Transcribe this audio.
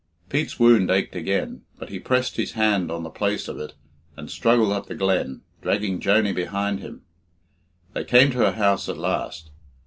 Pete's wound ached again, but he pressed his hand on the place of it and struggled up the glen, dragging Joney behind him. They came to her house at last.